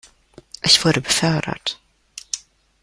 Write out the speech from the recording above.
Ich wurde befördert.